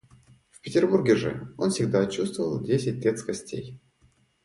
В Петербурге же он всегда чувствовал десять лет с костей.